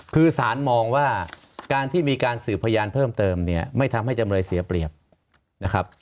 คือสารมองว่าการที่มีการสืบพยานเพิ่มเติมเนี่ยไม่ทำให้จำเลยเสียเปรียบนะครับ